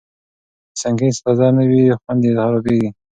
که سنکس تازه نه وي، خوند یې خرابېږي.